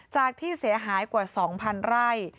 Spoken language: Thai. จากที่เสียหายกว่า๒๐๐๐ไร่